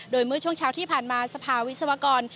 โดยเมื่อช่วงเช้าที่ผ่านมาสภาวิศวกร